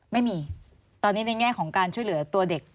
ไม่มีในแง่ของช่วยเหลือตัวเด็ก